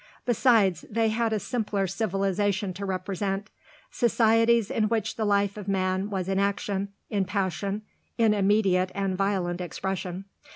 Besides, they had a simpler civilisation to represent societies in which the life of man was in action, in passion, in immediate and violent expression.